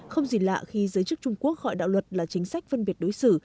không gì lạ khi giới chức trung quốc gọi đạo luật là chính sách phân biệt đối xử